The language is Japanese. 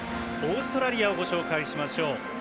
オーストラリアをご紹介しましょう。